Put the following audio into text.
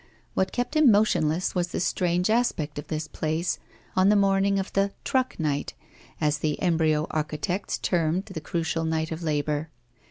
What kept him motionless was the strange aspect of this place on the morning of the 'truck night,' as the embryo architects termed the crucial night of labour.